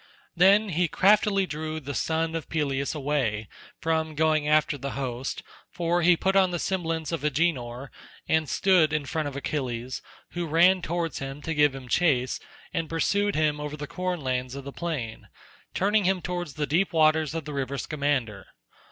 Then he craftily drew the son of Peleus away from going after the host, for he put on the semblance of Agenor and stood in front of Achilles, who ran towards him to give him chase and pursued him over the corn lands of the plain, turning him towards the deep waters of the river Scamander.